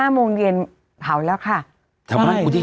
๕โมงเย็นแบบว่าเพราล่ะค่ะ